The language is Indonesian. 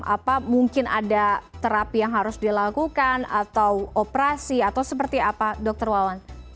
apa mungkin ada terapi yang harus dilakukan atau operasi atau seperti apa dr wawan